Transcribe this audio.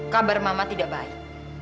kabar mama tidak baik